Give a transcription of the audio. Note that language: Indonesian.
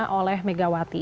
terima oleh megawati